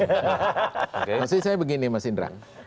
maksud saya begini mas indra